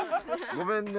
ごめんね。